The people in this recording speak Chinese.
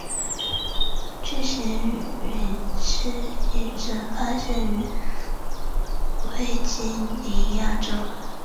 巨型羽翅鲎则发现于维吉尼亚州。